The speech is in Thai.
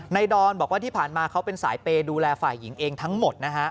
ดอนบอกว่าที่ผ่านมาเขาเป็นสายเปย์ดูแลฝ่ายหญิงเองทั้งหมดนะฮะ